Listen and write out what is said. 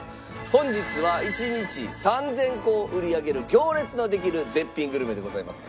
本日は１日３０００個を売り上げる行列のできる絶品グルメでございます。